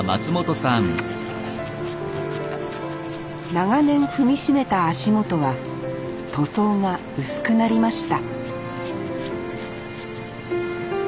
長年踏み締めた足元は塗装が薄くなりました